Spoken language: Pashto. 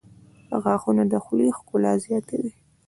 • غاښونه د خولې ښکلا زیاتوي.